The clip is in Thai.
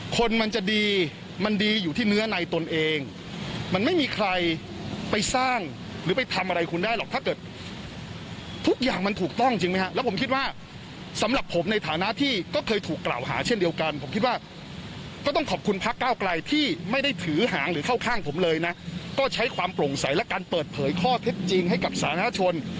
การเปิดเผยข้อเท็จจริงให้กับสาธารณะชน